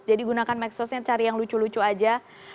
jadi gunakan medsosnya cari yang lucu lucu aja